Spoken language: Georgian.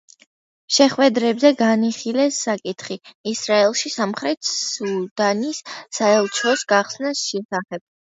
შეხვედრებზე განიხილეს საკითხი ისრაელში სამხრეთ სუდანის საელჩოს გახსნის შესახებ.